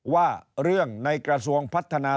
ว่าเรื่องในกระทรวงพัฒนา